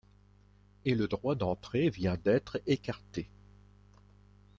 Et le droit d’entrée vient d’être écarté.